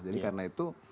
jadi karena itu